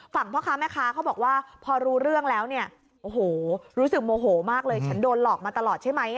พ่อค้าแม่ค้าเขาบอกว่าพอรู้เรื่องแล้วเนี่ยโอ้โหรู้สึกโมโหมากเลยฉันโดนหลอกมาตลอดใช่ไหม